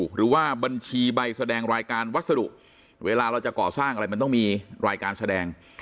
หรือว่าบัญชีใบแสดงรายการวัสดุเวลาเราจะก่อสร้างอะไรมันต้องมีรายการแสดง